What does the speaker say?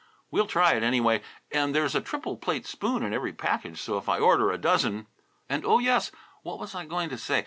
We'll try it, anyway, and there's a triple plate spoon in every package, so if I order a dozen ... and oh, yes, what was I going to say?